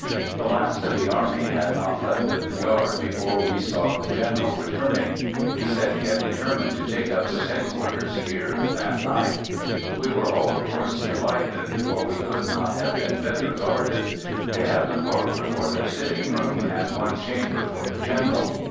The last of the army had not left the yard before we saw the General returning; he said he had determined to take up his headquarters here that night. We were all of course, delighted for we could not have been better guarded. They had the parlor for their sitting room, and one chamber for the General.